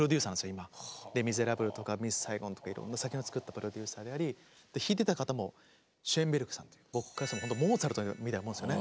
今「レ・ミゼラブル」とか「ミス・サイゴン」とかいろんな作品を作ったプロデューサーであり弾いてた方もシェーンベルクさんという僕からしてもほんとモーツァルトみたいなもんですよね。